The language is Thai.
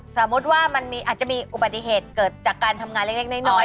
สมมุติว่ามันอาจจะมีอุบัติเหตุเกิดจากการทำงานเล็กน้อย